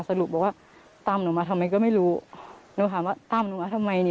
สรุปบอกว่าตามหนูมาทำไมก็ไม่รู้หนูถามว่าตามหนูมาทำไมนี่